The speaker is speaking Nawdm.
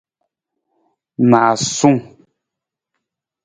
Naasung.